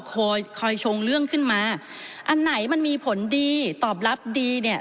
คอยคอยชงเรื่องขึ้นมาอันไหนมันมีผลดีตอบรับดีเนี่ย